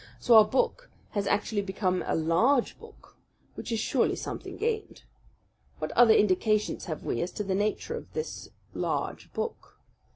So our book has already become a LARGE book, which is surely something gained. What other indications have we as to the nature of this large book?